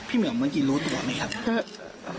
เหมียมเมื่อกี้รู้ตัวไหมครับ